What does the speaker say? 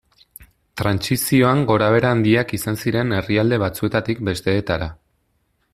Trantsizioan gorabehera handiak izan ziren herrialde batzuetatik besteetara.